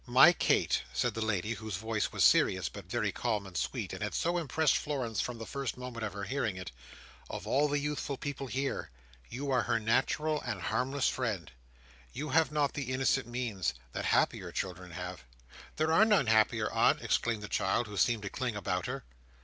"My Kate," said the lady, whose voice was serious, but very calm and sweet, and had so impressed Florence from the first moment of her hearing it, "of all the youthful people here, you are her natural and harmless friend; you have not the innocent means, that happier children have—" "There are none happier, aunt!" exclaimed the child, who seemed to cling about her.